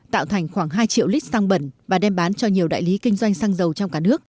tạo thành khoảng hai triệu lít xăng bẩn và đem bán cho nhiều đại lý kinh doanh xăng dầu trong cả nước